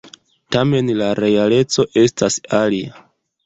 Tamen la realeco estas alia.